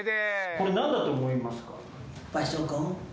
これ何だと思いますか？